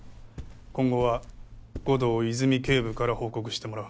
今後は護道泉警部から報告してもらう